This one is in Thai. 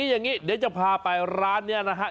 อย่างนี้เดี๋ยวจะพาไปร้านนี้นะฮะ